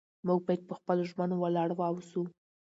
موږ باید په خپلو ژمنو ولاړ واوسو